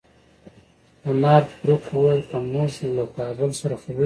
خو نارت بروک وویل که موږ له کابل سره خبرې کوو.